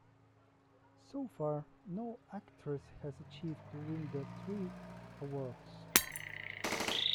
So far, no actress has achieved to win the three awards.